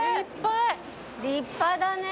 立派だね。